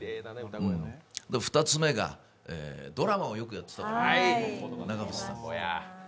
２つ目が、ドラマをよくやっていた頃の長渕さん。